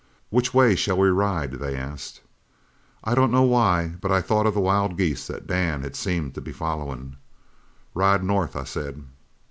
"'Which way shall we ride?' they asked. "I don't know why, but I thought of the wild geese that Dan had seemed to be followin'. "'Ride north,' I said.